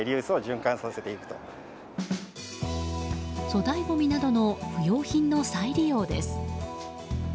粗大ごみなどの不要品の再利用です。